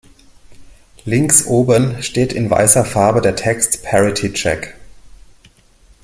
Links oben steht in weißer Farbe der Text "Parity Check".